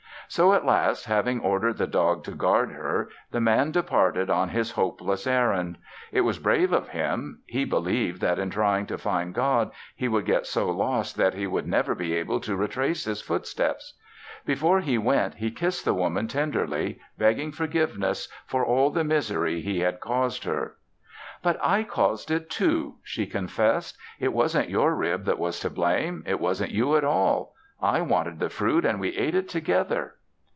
So at last, having ordered the dog to guard her, the Man departed on his hopeless errand. It was brave of him. He believed that in trying to find God, he would get so lost that he would never be able to retrace his footsteps. Before he went he kissed the Woman tenderly, begging forgiveness for all the misery he had caused her. "But I caused it, too," she confessed. "It wasn't your rib that was to blame. It wasn't you at all. I wanted the fruit and we ate it together."